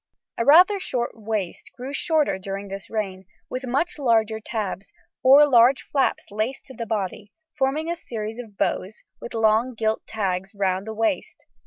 ] A rather short waist grew shorter during this reign, with much larger tabs, or large flaps laced to the body, forming a series of bows with long gilt tags round the waist.